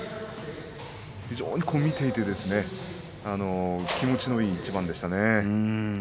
非常に見ていて気持ちのいい一番でしたね。